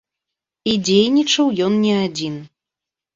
І дзейнічаў ён не адзін.